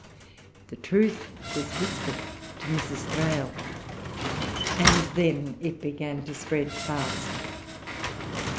The truth was whispered to Mrs. Thrale; and then it began to spread fast.